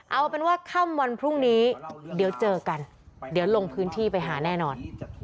เอาเป็นว่าค่ำวันพรุ่งนี้เดี๋ยวเจอกันเดี๋ยวลงพื้นที่ไปหาแน่นอน